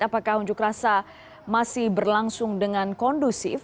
apakah unjuk rasa masih berlangsung dengan kondusif